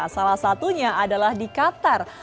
salah satunya adalah di qatar